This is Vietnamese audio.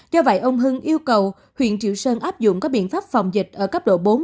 do vậy ông hưng yêu cầu huyện triệu sơn áp dụng các biện pháp phòng dịch ở cấp độ bốn